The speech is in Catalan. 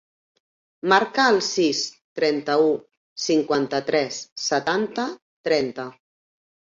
Marca el sis, trenta-u, cinquanta-tres, setanta, trenta.